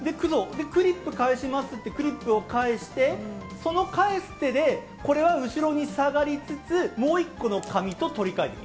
で、クリップ返しますってクリップを返して、その返す手で、これは後ろに下がりつつ、もう１個の紙と取り換える。